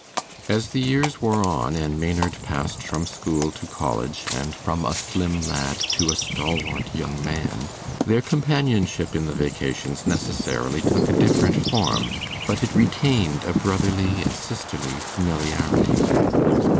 As the years wore on, and Maynard passed from school to college, and from a slim lad to a stalwart young man, their companionship in the vacations necessarily took a different form, but it retained a brotherly and sisterly familiarity.